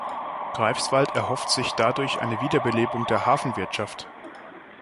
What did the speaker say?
Greifswald erhofft sich dadurch eine Wiederbelebung der Hafenwirtschaft.